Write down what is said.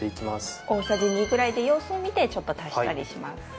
大さじ２くらいで様子を見てちょっと足したりします。